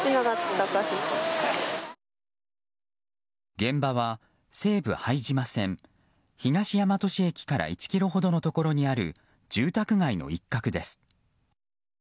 現場は西武拝島線東大和市駅から１ｋｍほどのところにある住宅街の一角です。